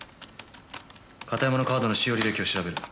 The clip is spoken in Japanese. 片山のカードの使用履歴を調べる。